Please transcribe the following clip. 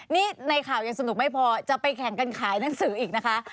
นี่ในข่าวยังสนุกไม่พอจะไปแข่งกันขายหนังสืออีกนะคะ